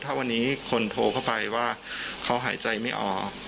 ถ้าวันนี้คนโทรเข้าไปว่าเขาหายใจไม่ออก